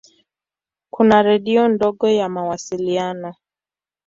Kuna redio ndogo ya mawasiliano.